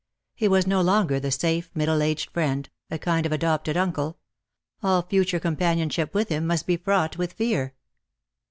He was no longer the eafe middle aged friend, a kind of adopted uncle. All future companionship with him must be fraught with fear.